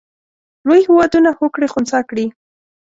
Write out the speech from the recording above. لوی هېوادونه هوکړې خنثی کړي.